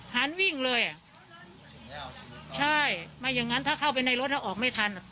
หันวิ่งเลยอ่ะใช่ไม่อย่างนั้นถ้าเข้าไปในรถแล้วออกไม่ทันอ่ะ